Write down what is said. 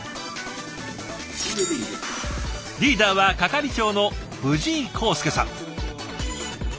リーダーは係長の藤井康介さん。